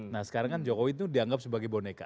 nah sekarang kan jokowi itu dianggap sebagai boneka